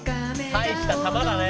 大したタマだね！